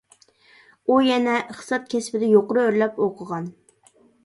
ئۇ يەنە ئىقتىساد كەسپىدە يۇقىرى ئۆرلەپ ئوقۇغان.